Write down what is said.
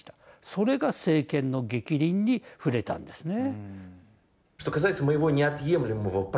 それが政権のげきりんに触れたんですね。